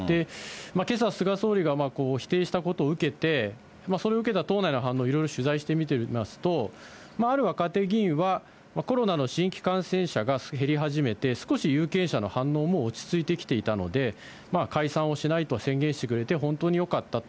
けさ、菅総理が否定したことを受けて、それを受けた党内の反応、いろいろ取材してみますと、ある若手議員は、コロナの新規感染者が減り始めて、少し有権者の反応も落ち着いてきていたので、解散をしないと宣言してくれて、本当によかったと、